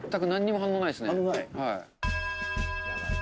はい。